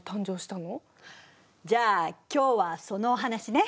じゃあ今日はそのお話ね。